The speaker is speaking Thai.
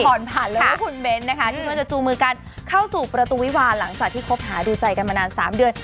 ผ่านเลยว่าคุณเบ้นนะคะที่เพิ่งจะจูงมือกันเข้าสู่ประตูวิวาหลังจากที่คบหาดูใจกันมานาน๓เดือน